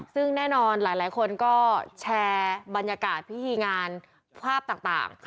ซึ่งแน่นอนหลายคนก็แชร์บรรยากาศพิธีงานภาพต่าง